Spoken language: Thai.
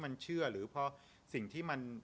มันเชื่อหรือพอสิ่งที่มัน